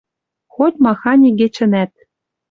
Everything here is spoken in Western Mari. Хоть-махань игечӹнӓт